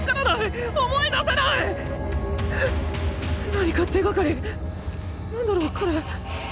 何か手がかり何だろうこれ。